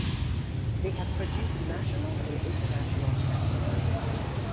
They have produced national and international champions.